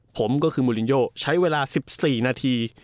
ผมก็คือมูลินโยใช้เวลา๑๔นาที